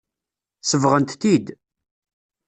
Sebɣent-t-id.